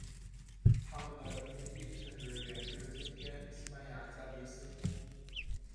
他们的殖民地甚至远至今天西班牙加的斯。